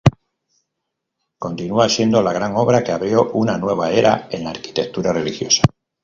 Continua siendo la gran obra que abrió una nueva era en la arquitectura religiosa.